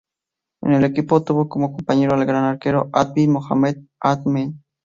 En el equipo, tuvo como compañero al gran arquero Abdi Mohamed Ahmed.